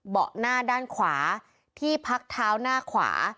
เบาะหน้าด้านขวาที่พักเท้าหน้าขวา